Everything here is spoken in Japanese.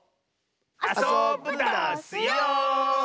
あそぶダスよ！